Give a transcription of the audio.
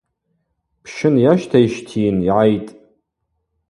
Пщын йащтайщтийын – йгӏайтӏ.